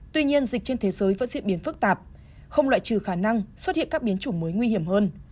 tuy nhiên dịch trên thế giới vẫn diễn biến phức tạp không loại trừ khả năng xuất hiện các biến chủng mới nguy hiểm hơn